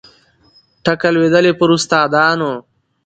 ټکه لوېدلې پر استادانو